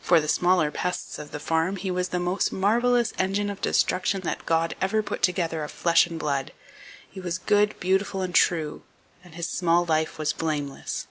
For the smaller pests of the farm, he was the most [Page 222] marvelous engine of destruction that God ever put together of flesh and blood. He was good, beautiful and true; and his small life was blameless.